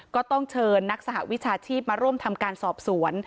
ก็ต้องเชิญนักสหวิชาชีพมาร่วมทำการสอบสวน